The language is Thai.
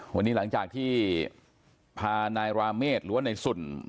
วันนี้หลังจากที่พานายราเมฆหรือว่าในสุน